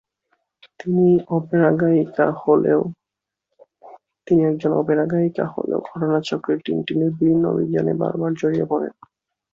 তিনি একজন অপেরা গায়িকা হলেও ঘটনাচক্রে টিনটিনের বিভিন্ন অভিযানে বারবার জড়িয়ে পড়েন।